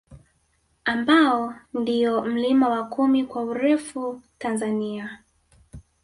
Ambao ndio mlima wa kumi kwa urefu Tanzania